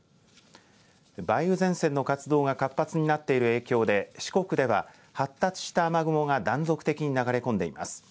梅雨前線の活動が活発になっている影響で四国では発達した雨雲が断続的に流れ込んでいます。